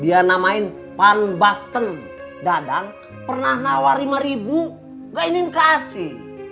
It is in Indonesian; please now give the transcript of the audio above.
dia namain panbuster dadang pernah nawar rp lima gak ingin kasih